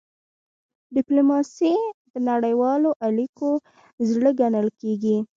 ډيپلوماسي د نړیوالو اړیکو زړه ګڼل کېږي.